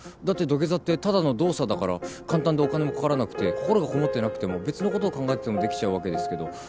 だって土下座ってただの動作だから簡単でお金もかからなくて心がこもってなくても別のこと考えててもできちゃうわけですけど。